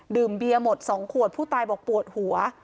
เบียร์หมด๒ขวดผู้ตายบอกปวดหัว